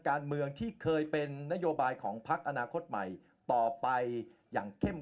การเมืองที่เคยเป็นนโยบายของพักอนาคตใหม่ต่อไปอย่างเข้ม